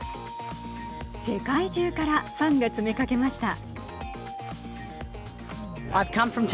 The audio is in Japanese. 世界中からファンが詰めかけました。